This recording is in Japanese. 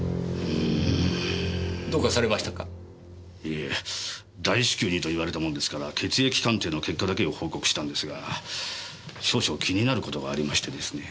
いえ大至急にと言われたものですから血液鑑定の結果だけを報告したんですが少々気になることがありましてですね。